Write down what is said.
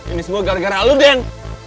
ini semua gara gara lo den